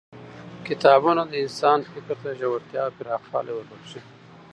کتابونه د انسان فکر ته ژورتیا او پراخوالی وربخښي